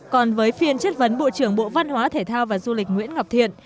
còn với phiên chất vấn bộ trưởng bộ văn hóa thể thao và du lịch nguyễn ngọc thiện